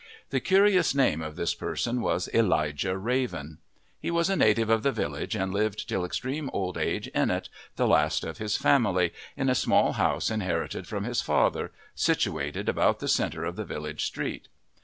The curious name of this person was Elijah Raven. He was a native of the village and lived till extreme old age in it, the last of his family, in a small house inherited from his father, situated about the centre of the village street.